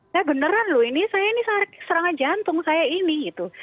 saya beneran loh ini saya ini serangan jantung saya ini gitu